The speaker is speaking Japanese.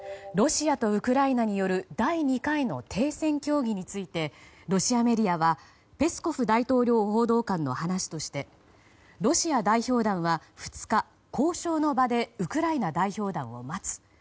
ロシアとウクライナによる第２回の停戦協議についてロシアメディアはペスコフ大統領補佐官の話としてロシア代表団は２日交渉の場でウクライナ代表団を待つ。